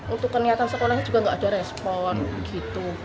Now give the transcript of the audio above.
untuk kenyataan sekolahnya juga nggak ada resmi